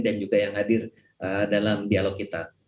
dan juga yang hadir dalam dialog kita